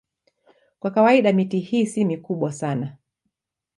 Kwa kawaida miti hii si mikubwa sana.